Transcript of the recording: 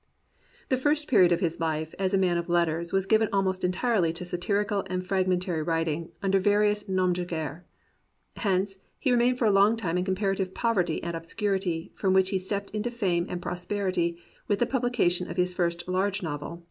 The first period of his life as a man of letters was given almost entirely to satirical and fragmentary writing, under various noms de guerre. Hence, he remained for a long time in comparative poverty and obscurity, from which he stepped into fame and prosperity with the publication of his first large novel.